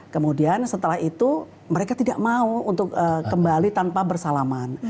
kemudian setelah itu mereka tidak mau untuk kembali tanpa bersalaman